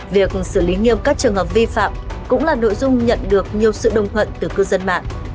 việc xử lý nghiêm các trường hợp vi phạm cũng là nội dung nhận được nhiều sự đồng thuận từ cư dân mạng